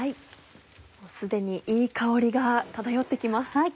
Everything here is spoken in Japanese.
既にいい香りが漂って来ます。